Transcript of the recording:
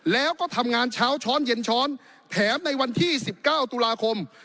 แล้วก็ทำงานเช้าช้อนเย็นช้อนแถมในวันที่๑๙ตุลาคม